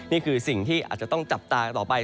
นี่คือสิ่งที่อาจจะต้องจับตาต่อไป